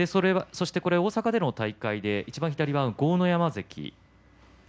大阪での大会でいちばん左が豪ノ山関です。